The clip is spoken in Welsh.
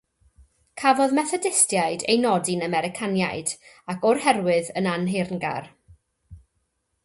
Cafodd Methodistiaid eu nodi'n Americaniad ac o'r herwydd yn annheyrngar.